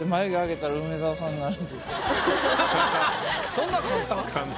そんな簡単？